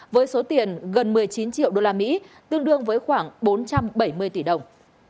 với số tiền gần một mươi chín triệu đô la mỹ tương đương với khoảng bốn trăm bảy mươi tỷ đồng